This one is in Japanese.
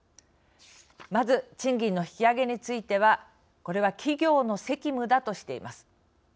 まず、賃金の引き上げについてはこれは企業の責務だとしています。